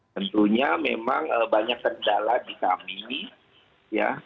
tentunya memang banyak kendala di kami ya